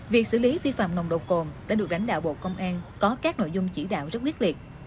việc xử lý vi phạm nồng độ cồn đã được lãnh đạo bộ công an có các nội dung chỉ đạo rất quyết liệt